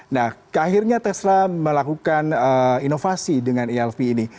nah akhirnya tesla melakukan inovasi dengan ilp ini